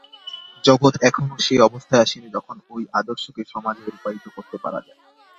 জগৎ এখনও সে অবস্থায় আসেনি, যখন ঐ আদর্শকে সমাজে রূপায়িত করতে পারা যায়।